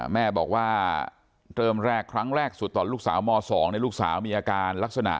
แม่บอกว่าเริ่มแรกครั้งแรกสุดตอนลูกสาวม๒ลูกสาวมีอาการลักษณะ